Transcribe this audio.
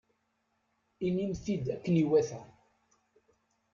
Inim-t-id akken iwata.